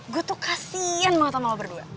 gue tuh kasihan banget sama lo berdua